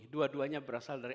dua duanya berasal dari